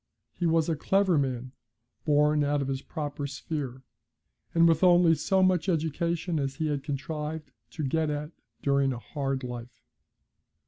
He was a clever man, born out of his proper sphere, and with only so much education as he had contrived to get at during a hard life.